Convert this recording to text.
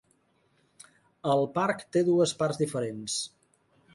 El parc té dues parts diferents.